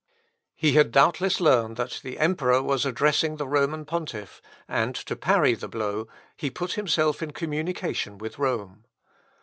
He had doubtless learned that the Emperer was addressing the Roman pontiff, and to parry the blow he put himself in communication with Rome.